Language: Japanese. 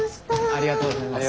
ありがとうございます。